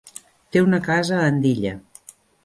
Té una casa a Andilla.